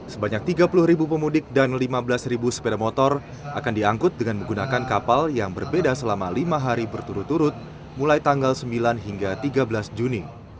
sebanyak tiga puluh ribu pemudik dan lima belas sepeda motor akan diangkut dengan menggunakan kapal yang berbeda selama lima hari berturut turut mulai tanggal sembilan hingga tiga belas juni